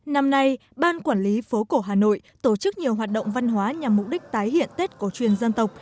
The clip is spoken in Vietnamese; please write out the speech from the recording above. năm nay ban quản lý phố cổ hà nội tổ chức nhiều hoạt động văn hóa nhằm mục đích tái hiện tết cổ truyền dân tộc